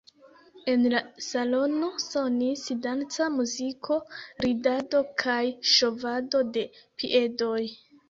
El la salono sonis danca muziko, ridado kaj ŝovado de piedoj.